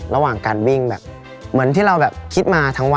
ระหว่างการวิ่งแบบเหมือนที่เราแบบคิดมาทั้งวัน